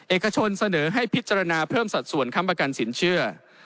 เอกชนเสนอให้พิจารณาเพิ่มสัดส่วนค้ำประกันสินเชื่อ